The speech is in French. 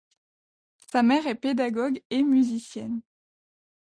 Sa mère est pédagogue et musicienne.